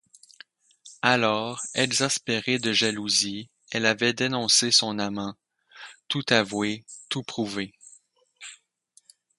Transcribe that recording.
Alors, exaspérée de jalousie, elle avait dénoncé son amant, tout avoué, tout prouvé.